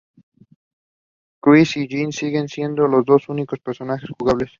Chris y Jill siguen siendo los dos únicos personajes jugables.